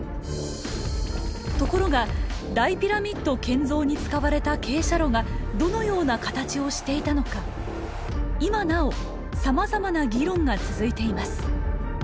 ところが大ピラミッド建造に使われた傾斜路がどのような形をしていたのか今なおさまざまな議論が続いています。